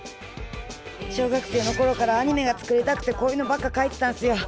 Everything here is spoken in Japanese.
小学生のころからアニメが作りたくてこういうのばっか描いてたんすよ。